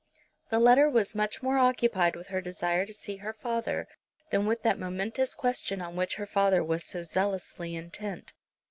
The letter was much more occupied with her desire to see her father than with that momentous question on which her father was so zealously intent.